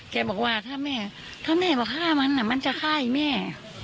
แกบอกว่าถ้าแม่ถ้าแม่บอกฆ่ามันมันจะฆ่าไอ้แม่